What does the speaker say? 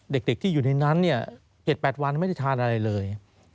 เด็กที่อยู่ในนั้นเนี่ย๗๘วันไม่ได้ทานอะไรเลย